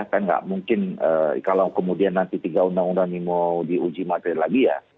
kan nggak mungkin kalau kemudian nanti tiga undang undang ini mau diuji materi lagi ya